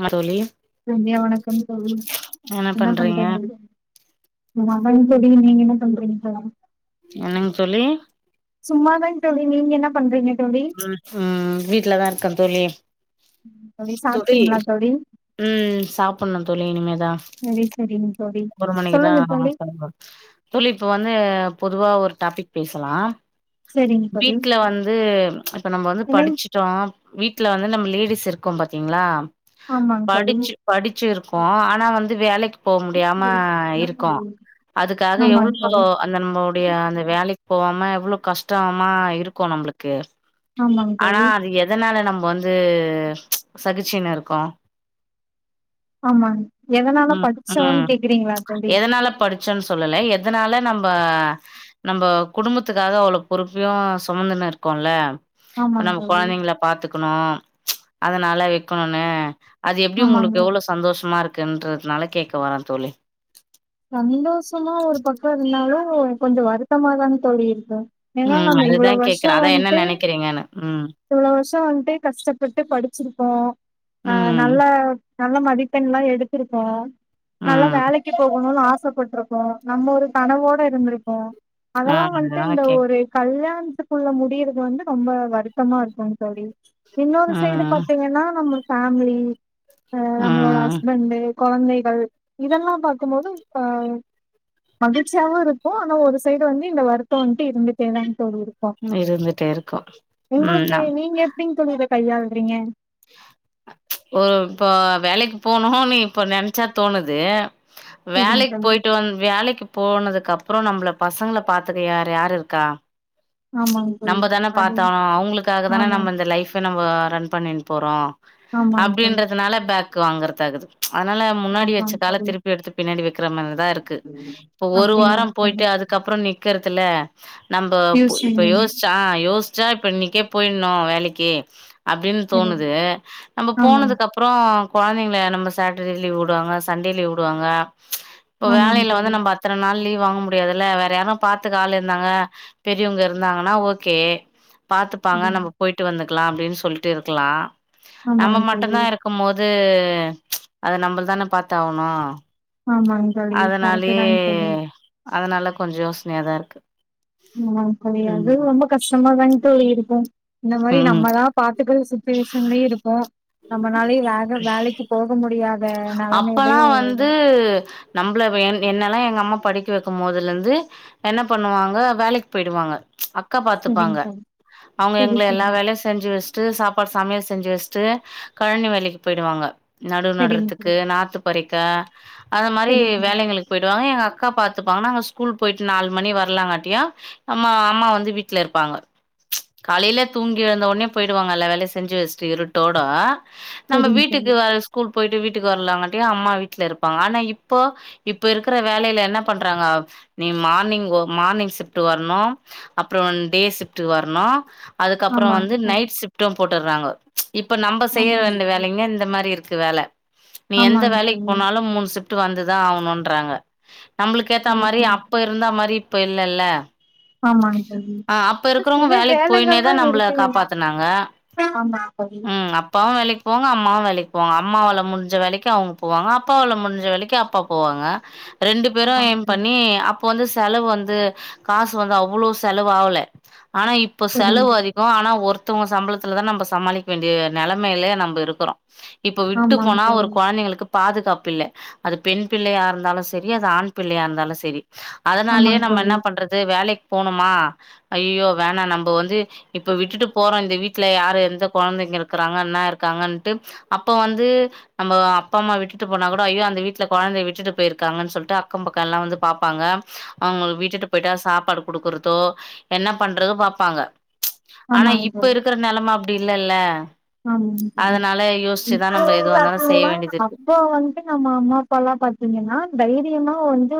ஆ தோழி இனிய வணக்கம் தோழி என்ன பண்றீங்க தோழி [unintelligible] நீங்க என்ன பண்றீங்க தோழி என்னங்க தோழி சும்மாதா தோழி நீங்க என்ன பண்றீங்க தோழி ம் வீட்டுலதா இருக்கே தோழி தோழி சாப்டிங்ளா தோழி ம் சாப்புணு தோழி இனிமேதா சரி சரிங்க தோழி ஒரு மணிக்குதா சொல்லுங்க தோழி [unintelligible] தோழி இப்போ வந்து பொதுவா ஒரு டாபிக் பேசலா சரிங்க தோழி வீட்ல வந்து இப்ப நம்ப வந்து என்னங் படிச்சிட்டோ வீட்ல வந்து நம்ம லேடிஸ் இருக்கோ பாத்தீங்களா ஆமாங் தோழி படிச்சு படிச்சு இருக்கோ ஆனா வந்து வேலைக்கு போ முடியாம இருக்கோ அதுக்காக ஆமாங் எவ்வளோ தோழி அந்த நம்மலோடைய அந்த வேலைக் போவாம எவ்வளோ கஷ்டமா இருக்கு நம்பளுக்கு ஆமாங் ஆனா தோழி அது எதனால நம்ம வந்து சகிச்சினுு இருக்கோ ஆமா எதனால படிச்சோன்னு கேக்குறீங்களா தோழி நல்ல படிச் ச்சோன்னு சொல்லல எதனால நம்ப நம்போ குடும்பத்துக்காக அவ்ளவு பொறுப்பையு சுமந்துன்னு இருக்கோல்ல இப்ப ஆமாங் நம்ம தோழி கொழந்தைங்கள பாத்துக்கணு அதனால விக்கணுன்னு அது எப்டி ஆமாங்க உங்களுக்கு எவ்வளோ சந்தோஷமா இருக்குன்றதுனால கேட்க வரே தோழி சந்தோஷமா ஒரு பக்க இருந்தாலு கொஞ்ச வருத்தமாதா தோழி இருக்கு ஏனா ம் நம்ம அதுதா இவ்வளோ வருஷோ கேக்குறே அதா என்ன வன்ட்டு நெனைக்கிறீங்கன்னு ம் இவ்வளோ வருஷ வந்து கஷ்டப்பட்டு படிச்சிருப்போ அ ம் நல்ல நல்ல மதிப்பெண்லா எடுடத்திருப்போ நல்ல ம் வேலைக்கி எவளோ ஆசைப்பட்டிருக்கோ நம்ம ஒரு கனவோட இருந்திருக்கோ ஆ அதெல்லா வன்ட்டு அதனால இந்த கேக் ஒரு கல்யாணத்துக்குள்ள முடியிறது வந்து ரொம்ப வருத்தமா இருக்கு தோழி இன்னொரு சைடு ம் பாத்தீங்கன்னா நம்ம ஃபேமிலி அ நம்மளோட ம் ஹஸ்பண்டு கொழந்தைகள் இதெல்லா பாக்கும் போது இப்ப மகிழ்ச்சியாவு இருக்கு ஆனா ஒரு சைடு வந்து இந்த வருத்த வந்துட்டு இருந்துடேதா தோழி இரு இருந்துட்டே இருக்கோ ம் உங்களுக்கு நா நீங்க எப்டிங்க தோழி கையாளுறீங்க ஒரு இப்போ வேலைக்கு போனும்னு இப்ப நெனச்சா தோணுது செரிங்க வேலைக்கு தோழி போயிட்டு வந் வேலைக்கு போனதுக்கு அப்புற நம்பள பசங்கள பாத்துக்க யார் யார் இருக்கா ஆமாங் நம்ப தானே பாத்தாகனு அவுங்களுக்காக தானே நம்ம இந்த லைஃப நம்ம ரன் பண்ணிட்டு போறோ ஆமாங்க தோழி அப்டின்றதுனால பேக்கு வாங்கற தாகுது அதனால முன்னாடி வச்ச ஆமாங்க கால தோழி திருப்பி எடுத்து பின்னாடி வக்கிற மாதிரிதா இருக்கு இப்ப ஒரு அப்டிங்களா வாரம் தோழி போயிட்டு அதுக்கப்பறோ நிக்கறதுல நம்ப இப்ப டியூஸ்டேங்களா யோசி டா யோசிச்சா இப்ப இன்னைக்கே போயிரனு வேலைக்கி அப்டின்னு சரிங்க தோணுது நம்ம ஆமாங்க போனதுக்கு அப் அப்பறோ கொழந்தைங்கள நம்ம சாட்டர்டே லீவ் உடுவாங்க சண்டே லீவ் உடுவாங்க இப்போ ஆமாங்க வேலையில வந்து தோழி நம்ம அத்தன நாள் லீவ் வாங்க முடியாதுல்ல வேற யாரும் பாத்துக ஆள் இருந்தாங்க பெரியவங்க இருந்தாங்கன்னா ஓகே பாத்துப்பாங்க ம் நம்ம போயிட்டு வந்துக்கலா அப்டின்னு சொல்லிட்டு இருக்லா நம்ம ஆமாங்க மட்டுதா தோழி இருக் பாக்கும் போது அத நம்ம தானே பாத்து ஆவணு ஆமாங்க தோழி கரெக்ட்டு அதனாலயே தாங்க தோழி அதனால கொஞ்சோ யோசனையாதா இருக்கு அதலா கெடையாது ம் ரொம்ப கஷ்டமாதாங் தோழி இருக்கும் இந்த மாரி ம் நம்மதா பாத்துக்கற சு பேசங்களே இருக்கோம் நம்மளாலயே வேக வேலைக்கு போக முடியாது அப்பல்லாம் வந்து நம்பளவே எ என்னெல்லாம் எங்க அம்மா படிக்க வைக்கும் போதுல இருந்து என்ன பண்ணுவாங்க வேலைக் போய்டுவாங்க அக்கா பாத்துப்பாங்க சரிங்க அவுங்க தோழி எங்கள எல்லா சரி சரி வேலயு செஞ்சு வச்ட்டு சாப்பாடு சமையல் செஞ்சு வச்ட்டு கழனி வேலைக்கு போயிடுவாங்க நடுவு சரிங்க நட்றதுக் கு தோழி நாத்து பறிக்க அந்த மாரி சரிங்க வேலைகளுக் போயிடுவாங்க எங்க அக்கா பாத்துப்பாங்க நாங்க ஸ்கூல் போயிட்டு நாலு மணி வரலாங்காட்டியு அம்மா அம்மா வந்து வீட்ல இருப்பாங்க காலைல தூங்கி எழுந்த ஒடனே போய்டுவாங்க எல்லா வேலையு செஞ்சி வச்ட்டு இருட்டோட நம்ம சரிங்க தோழி வீட்டுக்கு வர ஸ்கூல் போயிட்டு விட் டுக்கு வரலாங்காட்டியு அம்மா வீட்ல இருப்பாங்க ஆனா இப்போ இப்ப இருக்கிற வேலையில என்ன பண்றாங்க நீ மார்னிங் மார்னிங் ஷிப்ட் வரணும் அப்பறம் டே ஷிப்டு வரணும் அதுக்கப்புற ஆமாங்க வந்து தோழி நைட் ஷிப்ட்டு போட்டற்றாங்கோ இப்ப நம்ப செய்ய ஆமாங்க வேண்டி தோழி வேலைங்க இந்த மாரி இருக்கு வேல நீ எந்த ஆமாங்க வேலைக் தோழி போனாலு மூணு ஷிப் டு வந்துதா அவணுன்றாங்க நம்புளுக்கு ஏத்த ம் மாரி ம் அப்ப இருந்தா மாரி இப்ப இல்லல்ல ஆமாங் தோழி ஆ அப்ப இருக்கிறவங்க சில வேலைக்கு போயினேதா வேலைகள்லா நம்மள இருக்கு காப்பாத்துனாங்க இல்லங்களா ஆமா தோழி ம் அப்பாவும் வேலைக்கு போவாங்க அம்மாவ வேலைக்கு போவாங்க அம்மாவல முடிஞ்ச வேலைக்கு அவுங்க போவாங்க அப்பாவால முடிஞ்ச வேலைக்கு அப்பா போவாங்க ரெண்டு பேரு ஆமாங்க ஏம் தோழி பண்ணி அப்போ வந்து செலவு வந்து காசு வந்து அவ்ளோ செலவு ஆவல ஆனா இப்ப செலவு புரியுது அதி கு ஆனா ஒருத்தவுங்க சம்பளத்துலதா நம்ப சமாளிக்க வேண்டிய நெலமையிலே நம்ப இருக்கறோ இப்ப விட்டு ஆமாங்க போனா ஒரு தோழி கொழந்தைங்களுக்கு பாதுகாப்பு இல்ல அது பெண் பிள்ளையா இருந்தாலு செரி அது ஆண் பிள்ளையா இருந்தாலு செரி அதனாலயே ஆமாங்க நம்ம தோழி என்ன பண்றது வேலைக்கு போணுமா ஐயயோ வேணா நம்ம வந்து இப்ப விட்டுட்டு போறோம் இந்த வீட்டுல யாரு எந்த குழந்தைங்க இருக்கறாங்க என்ன இருக்காங்கன்னுட்டு அப்ப வந்து நம்ம அப்பா அம்மா விட்டு போனா கூட ஐயோ அந்த வீட்ல குழந்தைய விட்டு போயிருக்காங்கன்னு சொல்லிட்டு அக்கம் பக்கம் எல்லாம் வந்து பாப்பாங்க அவுங்கள விட்டுட்டு போயிட்டா சாப்பாடு குடுக்குறதோ என்ன பண்றதோ பாப்பாங்க ஆனா ஆமாங்க இப்ப இருக்கற நெலம அப்டி இல்லல்ல ஆமாங் தோழி அதனால யோசிச்சுதா இப்போ நம்ம வந்து எதுவா இருந்தாலு செய்ய அப்டிங்னா வேண்டியது இருக்கு அப்போ வந்து நம்ம அம்மா அப்பால்லாம் பாத்தீங்கன்னா தைரியமா வந்து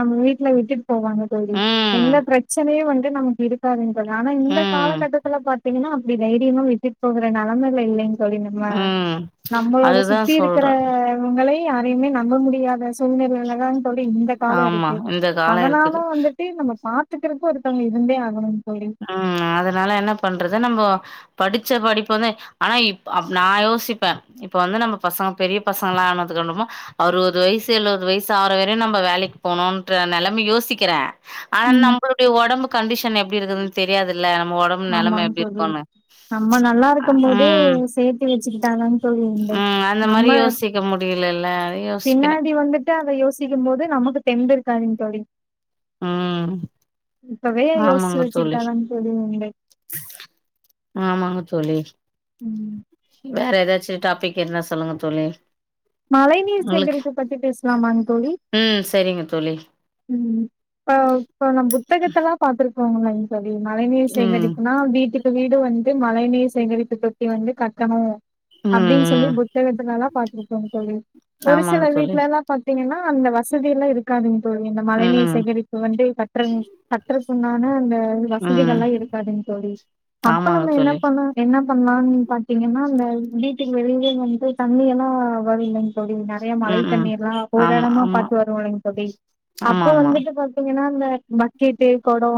நம்ம வீட்ல விட்டுட் போவாங்க தோழி ம் எல்லா பிரச்சனயு வந்து நமக் இருக்காதுங் ஆனா இந்த ம் காலகட்டத்துல பாத்தீங்கனா அப்டி தைரியமா விட்டுட் போகற நெலமைல இல்லைங் சொல்லிர்னுமா ம் நம்மளோட அதுதா சுத்தி இருக்கற சொல்றே அவங்கள யாரையுமே நம்ப முடியாத சூழ்நிலையில தான் தோழி இந்த காலம் ஆமா இருக்கு இந்த கால அதனால இருக்குது வந்துட் ட்டு நம்ம பாத்துக்கிறக்கும் ஒருத்தவங்க இருந்தே ஆகணும்னு தோழி அ அ அதனால என்ன பண்றது நம்போ படிச்ச படிப்பு தான் ஆனா இப் நா யோசிப்பேன் இப்ப வந்து நம்ம பசங்க பெரிய பசங்கலா ஆனதுக்கென்னமோ அறுவது வயசு எழுவது வயசு ஆவர வரையு நம்ப வேலைக்கு போணுன்ற நெலமை யோசிக்கிற ஆனா ம். நம்மளுடைய உடம்பு கண்டிஷன் எப்டி இருக்குதுன்னு தெரியாதுல்ல நம்ம உடம் ஆமா தோழி நம்ம நல்லா இருக்கும் போதே ம் சேர்த்து வச்சுக்கிட்டாங்க தோழி இல்லை ம் அந்த மாரி நம்ம யோசிக்க முடியலல்ல அது யோசிக்கிறே பின்னாடி வந்து ட அத யோசிக்கு போது நமக்கு தெம்பு இருக்காதுங் தோழி ம் இப்பவே யோச்சி ஆமாங்க வச்சி தோழி கிட்டாதா தோழி உண்டு ஆமாங்க தோழி ம் வேற ஏதாச்சி டாபிக் இருந்தா சொல்லுங்க தோழி மழைநீீர் உங்களுக்கு சேகரிப்பு பத்தி பேசலாமா தோழி ம் சரிங்க தோழி ம் இப்ப இப்ப நம்ப புத்தகத்தெல்லா பாத்து இருப்போங்களே தோழி மழை நீர் ம் சேகரிப்புனா வீட்டு இந்த வீடு வந்து மழை நீர் சேகரிப்பு தொட்டி வந்து கட்டணு ம் அப்டின்னு சொல்லி ம் புத்தகத்துலாலா பாத்து இருப்போ தோழி ஒரு சில ஆமாங்க தோழி வீட்லல்லா பாத்தீங்கன்னா அந்த வசதி எல்லா இருக்காதுங்க தோழி இந்த ம் மழைநீர் ம் சேகரிப்பு வந்து கட்ற கட்டுறக்குன்னான அந்த ம் வசதிகள்லா இருக்காதுன்னு தோழி அப்ப ஆமாங்க நம்ம என்ன தோழி பண்ண என்ன பண்ணலாம்னு பாத்தீங்கன்னா அந்த வீட்டுக்கு வெளியே வந்து தண்ணி எல்லா வரு இல்லைங் தோழி நிறையா மழ ம் ம் தண்ணீர் எல்லா ஒரு ஆமா இடமா ஆமா பாத்து வரு இல்லைங் தோழி ஆமா அப்ப ஆமா வந்துட்டு பாத்தீங்கன்னா இந்த பக்கெட்டு கொடோ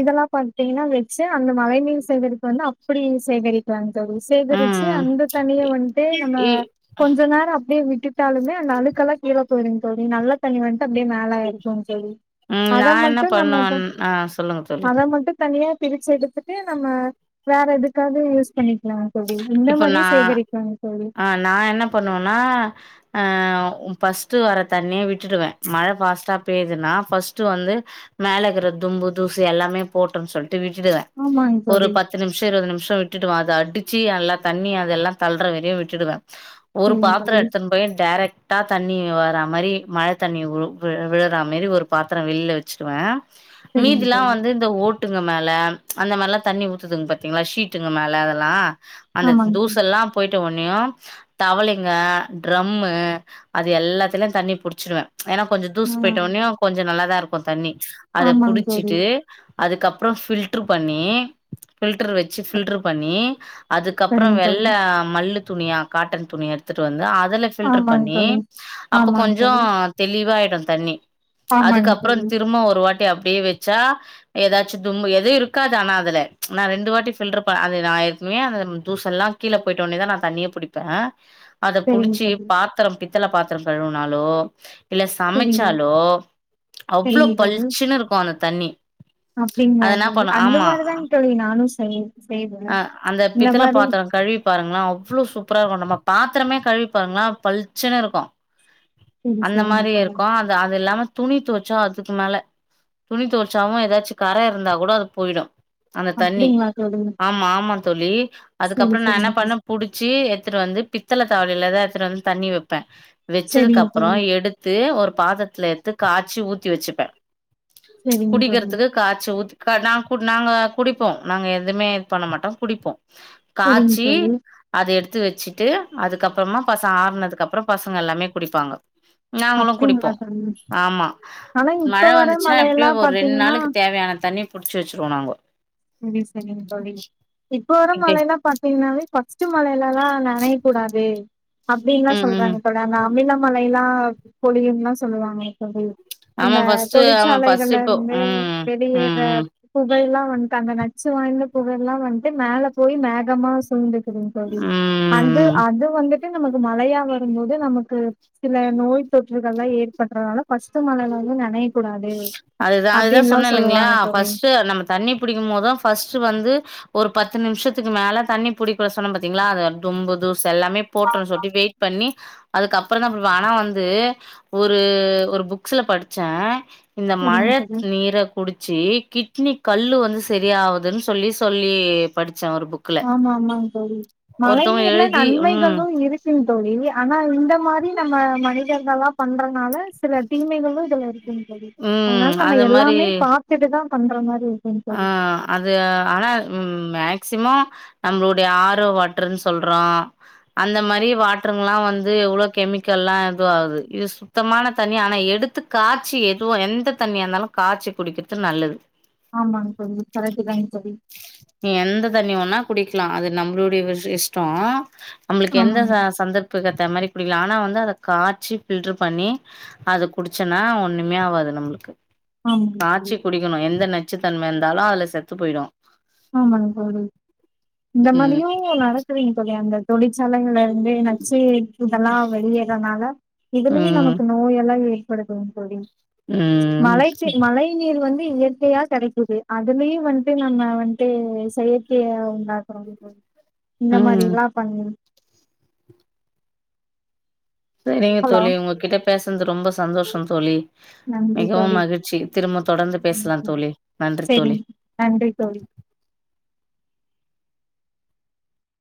இதெல்லா பாத்தீங்கன்னா வச்சி அந்த மழ நீீர் சேகரிப்பு வந்து அப்டி சேகரி ப்பாங்க தோழி சேகரிச்சி ம் அந்த தண்ணிய இ வண்ட்டு நம்ம இ கொஞ்சோ நேரோ அப்டியே விட்டு விட்டாலுமே அந்த அழுக்கல்லா கீழ போயிரு தோழி நல்ல தண்ணி வண்ட்டு அப்டியே மேல இருக்கு தோழி ம் அத நா என்ன மட்டு நம்ம த பண்ணுவேன் ஆ சொல்லுங்க தோழி அத மட்டு தனியா பிரிச்சி எடுத்துட்டு நம்ம வேற எதுக்காவது யூஸ் பண்ணிக்கலா எப்டி இந்த இப்ப மாரியே நா சேகரிக்கனு தோழி நா என்ன பண்ணுவன்னா அ ஃபர்ஸ்ட்டு வர தண்ணிய விட்டுடுவே மழ ஃபாஸ்ட்டா பெய்யிதுன்னா ஃபர்ஸ்ட்டு வந்து மேல இருக்கற தும்பு தூசு எல்லாமே போட்டுன்னு சொல் ட்டு விட்டுடுவே ஆமாங்க ஒரு தோழி. பத்து நிமிஷோ இருவது நிமிஷோ விட்டுடுவே அத அடி ச்சில்லா தண்ணி அதெல்லா தள்ளற வரையும் விட்டுடுவே ஒரு சரிங்க பாத்தரம் தோழி, எடுத்து போயி டைரக்ட்டா தண்ணி வர்ற மாரி மழ தண்ணி விழு விழுறா மாரி ஒரு பாத்தரம் வெளியில வச்சி ச்சிருவேன் சரிங்க மீதில்லாம் தோழி. வந்து இந்த ஓட் ட்டுங்க மேல அந்த மாரி எல்லாம் தண்ணி ஊத்துங்க பாத்தீங்களா ஷீட்டுங்க மேல அதெல்லா அந்த ஆமாங்க. தூசெல்லா போயிட்ட ஒன்னியும் தவளைங்க ட்ரம்மு அது எல்லாத்துலயும் தண்ணி புடிச்சிடுவே ஏன்னா கொஞ்சோ தூசு ஆ போயிட்ட ஒனனே கொஞ்சோ நல்லாதா இருக்கு தண்ணி அத ஆமாங்க தோழி. புடிச்சிட்டு அதுக்கப்றோ பில்டர் பண்ணி பில்டர் வச்சி பில்டர் பண்ணி அதுக்கப்றோ சரிங்க தோழி. வெள்ள மல்லு துணியா காட்டன் துணியா எடுத்துட்டு வந்து அதுல பில்டர் ஆமாங்க பண்ணி தோழி அப்ப ஆமாங்க கொஞ்சோ தோழி தெளிவாயிடும் தண்ணி ஆமாங்க அதுக்கப்றோ தோழி திரும்ப ஒரு வாட்டி அப்டியே வச்சா ஏதாச்சியும் தும்பு எதுவும் இருக்காது ஆனா அதுல நா ரெண்டு வாட்டி பில்டர் அது நா எப்பையுமே அதுல தூசு எல்லா கீழ போயிட்ட உடனேதா நா தண்ணியே புடிப்பே அத சரிங்க புடிச்சி தோழி பாத் பாத்திரம் பித்தள பாத்திரம் கழுவுனாலோ இல்ல சரிங்க சமைச்சாலோ அவ்ளோ சரிங்க தோழி பளிச்சின்னு இருக்கும் அந்த தண்ணி அப்டிங்களா அது என்ன தோழி பண்ணு அந்த ஆமா மாரிதாங் தோழி நானு செய் செய்வே அ அந்த இந்த பித்தள மாரி பாத்திரோ கழுவி பாருங்களா அவ்ளோ சூப்பரா இருக்கும் நம்ம பாத்தரமே கழுவி பாருங்களே பளிச்சின்னு இருக்கும் சரி அந்த சரிங்க மாரி தோழி இருக்கும் அது அது இல்லாம துணி துவச்சா அதுக்கு மேல துணி துவச்சாவும் ஏதாச்சும் கர இருந்தா கூட அது போயிடும் அந்த தண்ணி அப்டிங்களா தோழி ஆமா ஆமா தோழி சரி அதுக்கப்றோ நா என்ன சரிங்க பண்ணே தோழி புடி ச்சி எடுத்துட்டு வந்து பித்தள தவளையிலதா எத்துன்னு வந்து தண்ணி வெப்பே வச்சதுக்கு சரிங்க அப்பறோ தோழி எடுத்து த்து ஒரு பாத்தரத்துல எத்து காச்சி ஊத்தி வச்சுப்பே சரிங்க தோழி குடிக்கிறதுக்கு காச்சி ஊத்தி க நா நாங்க குடிப்போம் நாங்க எதுவுமே இது பண்ண மாட்டோ குடிப்போ சரிங்க காச்சி தோழி அத எடுத்து வச்சிட்டு அதுக்கப்றமா பச ஆறுனதுக்கப்றோ பசங்க எல்லாமே குடிப்பாங்க நாங்களு குடிப்போ அப்டிங்களா தோழி ஆமா ஆனா இப்ப மழ வர வந்துச்சுனா எப்டியு மழையெல்லா ஒரு ரெண்ட் பாத்தீங்கன்னா நாளுக்கு தேவையான தண்ணி புடிச்சு வெச்சிருவோ நாங்கோ இது சரிங் இப்ப வர மழை எல்லா பா்த்தீங்னாவே கொஸ் ச்ச மழைலல்லா நனையாக் கூடாது அப்டின்லா ம் ம் சொல்றாங்க தோ நாங்க அமில மழைலா பொழியும்லா சொல்லுவாங்க தோழி ஆமா இந்த ஃபர்ஸ்ட்டு ஆமா ஃபர்ஸ்ட் இப்போ தொழிற்சாலைகள்லருந்து ம் வெளியேர்ற ம் ம் புகைல்லா வந்ட்டு அந்த நச்சு வாய்ந்த புகைல்லா வந்ட்டு மேல போய் மேகமா சூழ்ந்து செரிங் தோழி அந்து ம் அது வந்துட்டு நமக்கு மழையா வரும்போது நமக்கு சில நோய் தொற்றுகள்ல ஏற்பட்றனால ஃபஸ்ட்டு மழைல வந்து நனை அதுதா அதுதா சொன்னேல்லைங்ளா சொல்லுவாங்க தோழி ஃபஸ்ட்டு நம்ம தண்ணி பிடிக்கும் போத் தா ஃபஸ்ட்டு வந்து ஒரு பத்து நிம்ஷத்துக்கு மேல தண்ணி புடிக்க சொன்ன பாத்தீங்ளா அது டொன்பது செல்லாமே போட்ற சொல்லி வெய்ட் பண்ணி அதுக்கப்பறந்தா ப்ரோ ஆனா வந்து ஒரு ஒரு புக்ஸ்ல படிச்சே இந்த மழ சரிங்க தோழி நீர குடிச்சு கிட்னி கல்லு வந்து சரியாவ்துன் சொல்லி சொல்லி படிச்சே ஒரு புக் ஆமாமாங் தோழி மழை நீர்ல எழுதி ம் நன்மைகளு இருக் ம் தோழி ஆனா இந்த மாரி நம்ம மனிதர்கள்லா பண்றதுனால சில தீமைகளு இதுல இருக்குங் தோழி அதனால ம் நம்ம அந்த மாரி எல்லாமே பாத்துட்டுதா பண்ற மாரி இருக்குங் ஆ தோழி அது ஆனா ம் மேக்சிமோ நம்ளுடைய ஆரோ வாட்ருன் சொல்றோ அந்த மாரி வாட்ருங்லா வந்து எவ்ளோ கெமிக்கல்லா எது ஆகுது யூஸ் சுத்தமான தண்ணி ஆனா எடுத்து காச்சி எதுவு எந்த தண்ணியார்ந்தாலு காச்சி குடிக்கிர்து நல்லது ஆமாங் தோழி கரெட்டு தாங் தோழி நீ எந்த தண்ணிய வோனா குடிக்லா அது நம்ளுடைய விஷ் இஷ்டோ நம்ளுக்கு எந்த ஆமாங் ச சந்தர்ப் ப்புக்கேத்த மாரி குடிக்லா ஆனா வந்து அத காச்சி பில்டர் பண்ணி அது குடிச்சன்னா ஒண்ணுமே ஆவாது நம்ளுக்கு ஆமாங் தோழி காச்சி குடிக்கணு எந்த நச்சுத்தன்ம இருந்தாலு அதுல செத்து போய்டு ஆமாங் தோழி இந்த ம் மாரியு நடகுதுங் தோழி அந்த தொழிற்சாலைகல்ல பே நச்சு இதெல்லா வெளியேறனால இதுலயே ம் நமக்கு நோய் எல்லா ஏய் படிக்கணுங் தோழி ம் மழைக்கு மழை ன் நீர் வந்து இயற்கையா கெடைக்குது அதுலயு வந்து நம்ம வந் ட்டு செயற்கைய உண்டாக்கறாங் தோழி இந்த ம் மாரில்லா பண் செரிங்க ஹலோ தோழி உங்ககிட்ட பேசுனது ரொம்ப சந்தோஷோ தோழி நன்றி மிகவும் தோழி மகிழ்ச்சி திரும்ப தொடர்ந்து பேஸ்லாந் தோழி நன்றி தோழி சரிங் நன்றி தோழி